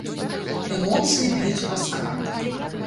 Эмоцыі б'юць праз край.